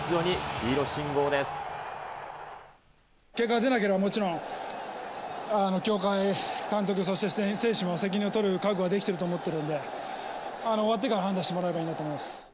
結果が出なければもちろん、協会、監督、そして選手も責任を取る覚悟はできてると思ってるんで、終わってから判断してもらえればいいと思います。